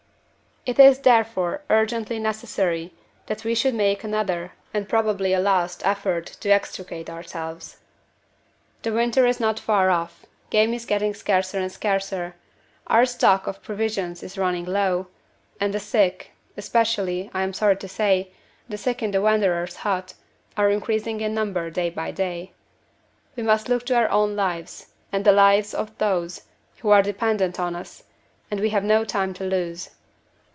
"It is therefore urgently necessary that we should make another, and probably a last, effort to extricate ourselves. The winter is not far off, game is getting scarcer and scarcer, our stock of provisions is running low, and the sick especially, I am sorry to say, the sick in the Wanderer's hut are increasing in number day by day. We must look to our own lives, and to the lives of those who are dependent on us; and we have no time to lose."